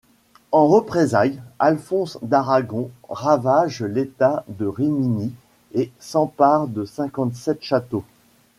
En représailles, Alphonse d'Aragon ravage l'État de Rimini, et s'empare de cinquante-sept châteaux.